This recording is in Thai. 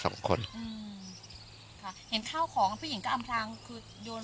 ค่ะเห็นข้าวของผู้หญิงอำทางคือ